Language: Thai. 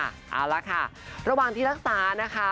เอาละค่ะระหว่างที่รักษานะคะ